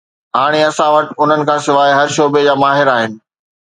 هاڻي اسان وٽ انهن کان سواءِ هر شعبي جا ماهر آهن